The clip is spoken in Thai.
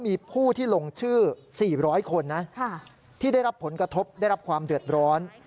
มีผู้ที่ลงชื่อ๔๐๐คนนะที่ได้รับผลกระทบได้รับความเดือดร้อน